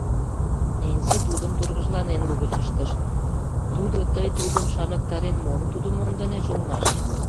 — Ненси тудым тургыжланен лугыч ыштыш.—Тудо тый тудым шарныктарен мом тудо мондынеже улмаш?